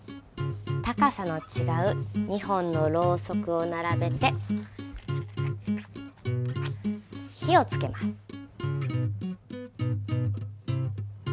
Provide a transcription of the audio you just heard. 高さの違う２本のロウソクを並べて火を付けます。